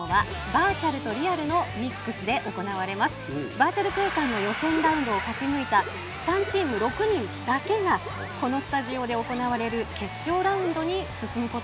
バーチャル空間の予選ラウンドを勝ち抜いた３チーム６人だけがこのスタジオで行われる決勝ラウンドに進むことができるんです。